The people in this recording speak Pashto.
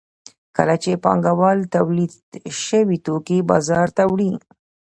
کله چې پانګوال تولید شوي توکي بازار ته وړي